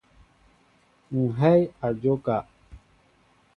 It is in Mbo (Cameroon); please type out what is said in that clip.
Ŋhɛy a njóka.